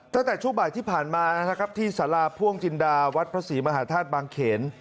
ตั้งแต่ช่วงบ่ายที่ผ่านมานะครับที่สาราพ่วงจินดาวัดพระศรีมหาธาตุบางเขน